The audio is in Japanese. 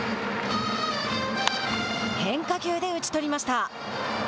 変化球で打ち取りました。